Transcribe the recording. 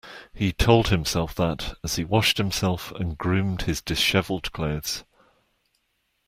He told himself that as he washed himself and groomed his disheveled clothes.